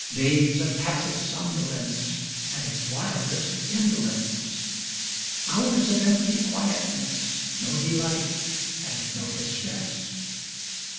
Days of passive somnolence, At its wildest, indolence. Hours of empty quietness, No delight, and no distress.